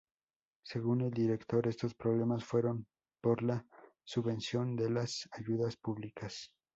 Según el director, estos problemas fueron "por la subvención" de las ayudas públicas.